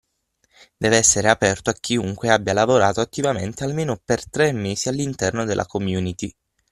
Deve essere aperto a chiunque abbia lavorato attivamente almeno per tre mesi all’interno della community.